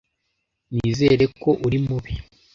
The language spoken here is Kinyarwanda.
Nizere ko uri mubi.